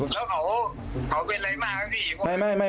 บอกแล้วบอกแล้วบอกแล้ว